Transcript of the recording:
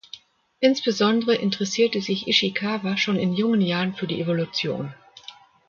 Insbesondere interessierte sich Ishikawa schon in jungen Jahren für die Evolution.